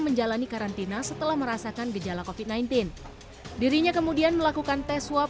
menjalani karantina setelah merasakan gejala kofit sembilan belas dirinya kemudian melakukan tes swab